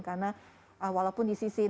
karena walaupun di sisi negara